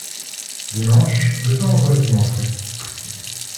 dimanche, le temps relativement frais